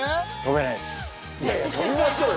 いやいや跳びましょうよ